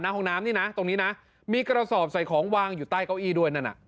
ห้องน้ำนี่นะตรงนี้นะมีกระสอบใส่ของวางอยู่ใต้เก้าอี้ด้วยนั่นน่ะ